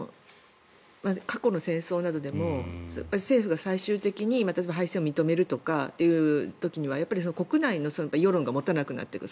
過去の戦争などでも政府が最終的に敗戦を認めるとかという時には国内の世論が持たなくなっていく。